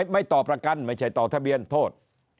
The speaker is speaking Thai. ไม่ต่อประกันไม่ใช่ต่อทะเบียนโทษ